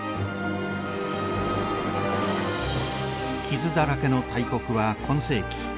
傷だらけの大国は今世紀